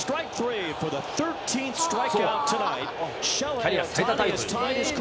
キャリア最多タイ。